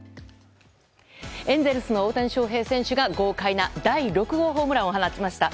エンゼルスの大谷翔平選手が豪快な第６号ホームランを放ちました。